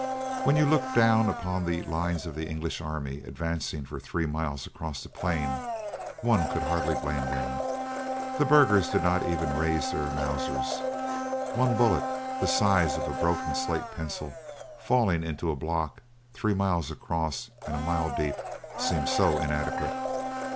When you looked down upon the lines of the English army advancing for three miles across the plain, one could hardly blame them. The burghers did not even raise their Mausers. One bullet, the size of a broken slate pencil, falling into a block three miles across and a mile deep, seems so inadequate.